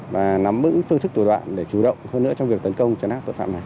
và nắm vững phương thức thủ đoạn để chủ động hơn nữa trong việc tấn công trấn áp tội phạm này